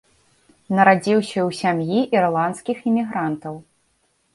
Нарадзіўся ў сям'і ірландскіх імігрантаў.